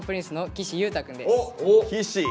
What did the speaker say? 岸。